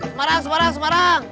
semarang semarang semarang